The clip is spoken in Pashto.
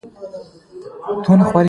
د سبزک کوتل هرات او بادغیس نښلوي